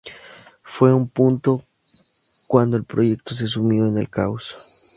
Fue en este punto, cuando el proyecto se sumió en el caos.